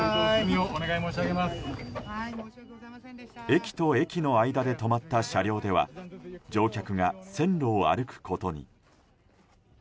駅と駅の間で止まった車両では乗客が線路を歩くことに。